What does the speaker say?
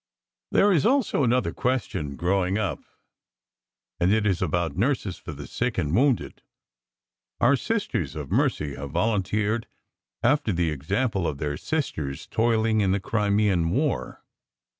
There is also another question growing up, and it is about nurses for the sick and wounded. Our Sisters of Mercy have volunteered after the example of their Sisters toiling in the Crimean war.